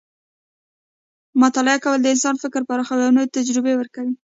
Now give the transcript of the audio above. مطالعه کول د انسان فکر پراخوي او نوې تجربې ورکوي.